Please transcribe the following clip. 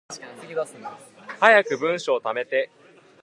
早く文章溜めて